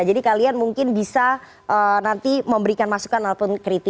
jadi kalian mungkin bisa nanti memberikan masukan ataupun kritis